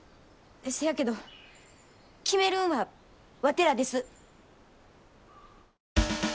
せやけど決めるんはワテらです。